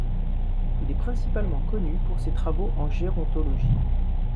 Il est principalement connu pour ses travaux en gérontologie.